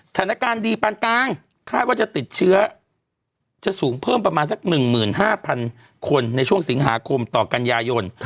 สถานการณ์ดีปานกลางคาดว่าจะติดเชื้อจะสูงเพิ่มประมาณสัก๑๕๐๐๐คนในช่วงสิงหาคมต่อกันยายน